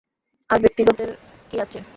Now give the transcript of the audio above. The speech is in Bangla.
আর ব্যক্তিগতের কী আছে?